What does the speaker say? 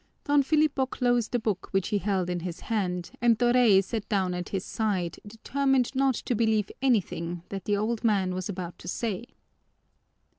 Don Filipo closed the book which he held in his hand and Doray sat down at his side determined not to believe anything that the old man was about to say.